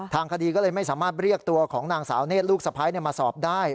ทางคดีก็เลยไม่สามารถเรียกตัวของนางสาวเนธลูกสะพ้ายมาสอบได้